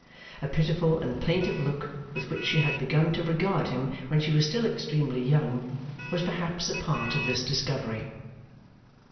A pitiful and plaintive look, with which she had begun to regard him when she was still extremely young, was perhaps a part of this discovery.